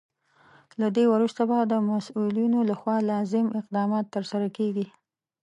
له دې وروسته به د مسولینو لخوا لازم اقدامات ترسره کیږي.